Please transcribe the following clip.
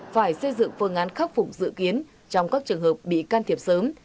phải xây dựng phương án khắc phục dự kiến trong các trường hợp bị can thiệp sớm